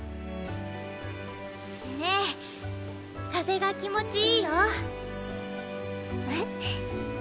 ねー風が気持ちいいよー。